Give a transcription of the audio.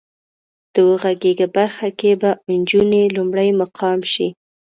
د وغږېږئ برخه کې به انجونې لومړی مقام شي.